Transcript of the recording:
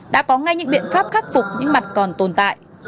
đã có ngay những biện pháp khắc phục những mặt còn tồn tại